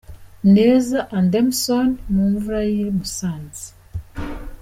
Neza Anderson mu mvura y'i Musanze.